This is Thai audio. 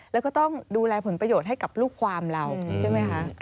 แล้วก็ต้องดูแลผลประโยชน์ให้กับลูกความเราใช่ไหมคะ